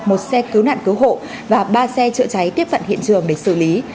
một xe cứu nạn cứu hộ và ba xe chữa cháy tiếp cận hiện trường để xử lý